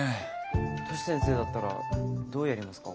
トシ先生だったらどうやりますか？